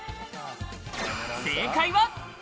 正解は。